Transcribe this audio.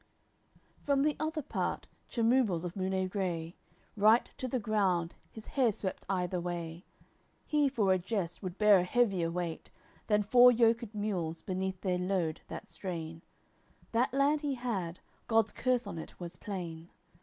AOI. LXXVIII From the other part, Chemubles of Muneigre. Right to the ground his hair swept either way; He for a jest would bear a heavier weight Than four yoked mules, beneath their load that strain. That land he had, God's curse on it was plain.